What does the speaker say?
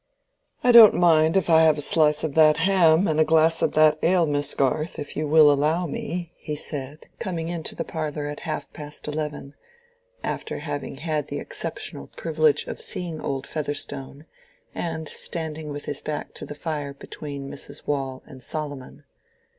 "I don't mind if I have a slice of that ham, and a glass of that ale, Miss Garth, if you will allow me," he said, coming into the parlor at half past eleven, after having had the exceptional privilege of seeing old Featherstone, and standing with his back to the fire between Mrs. Waule and Solomon.